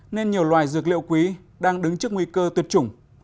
nên nhiều loài dược liệu quý đang đứng trước nguy cơ tuyệt chủng